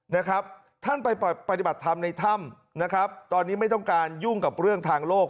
นะครับท่านไปปฏิบัติธรรมในถ้ำนะครับตอนนี้ไม่ต้องการยุ่งกับเรื่องทางโลก